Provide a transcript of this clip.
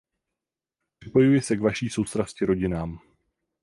Připojuji se k vaší soustrasti rodinám.